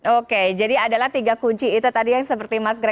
oke jadi adalah tiga kunci itu tadi yang seperti mas gram